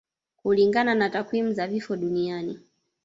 Kulingana na takwimu za vifo duniani